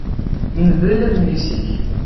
Mdel adlis-ik